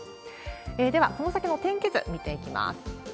では、この先の天気図見ていきます。